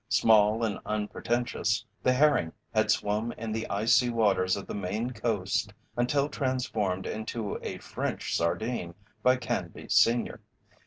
Small and unpretentious, the herring had swum in the icy waters of the Maine coast until transformed into a French sardine by Canby, Sr.